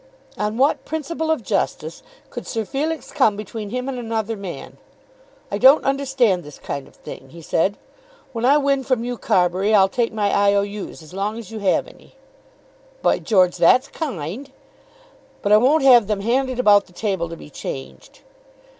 On what principle of justice could Sir Felix come between him and another man? "I don't understand this kind of thing," he said. "When I win from you, Carbury, I'll take my I. O. U.'s, as long as you have any." "By George, that's kind." "But I won't have them handed about the table to be changed."